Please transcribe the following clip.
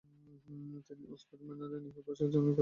তিনি উল্সথর্প ম্যানরে তার নিহের বাসার জানালার কাছে বসে ছিলেন।